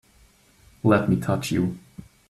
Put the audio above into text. Let me touch you!